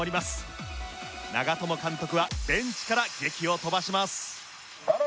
長友監督はベンチからげきを飛ばします。